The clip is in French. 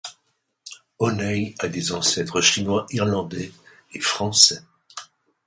O'Neil a des ancêtres Chinois, Irlandais et Français.